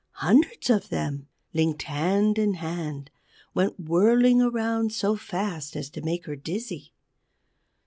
Hundreds of them, linked hand in hand, went whirling around so fast as to make her dizzy.